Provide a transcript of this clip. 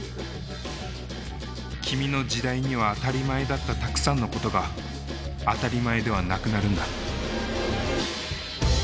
君の時代には当たり前だったたくさんのことが当たり前ではなくなるんだ。